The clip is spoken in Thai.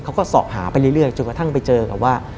เขาก็สอบหาไปเรื่อยจนกระทั่งไปเจอกับว่า